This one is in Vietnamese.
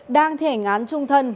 đang thể ảnh án trung thân